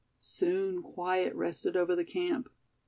Soon quiet rested over the camp.